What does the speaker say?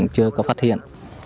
chưa có phát hiện